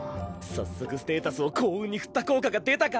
早速ステータスを幸運に振った効果が出たか？